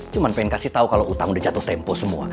cuma pengen kasih tahu kalau utang udah jatuh tempo semua